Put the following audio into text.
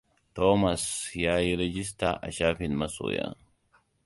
Thomas ya yi rijista a shafin masoya.